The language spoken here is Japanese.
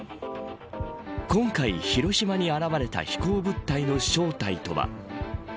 今回、広島に現れた飛行物体の正体とは。